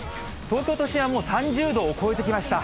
東京都心はもう３０度を超えてきました。